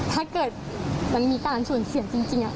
ถ้าเกิดมันมีการสูญเสียจริง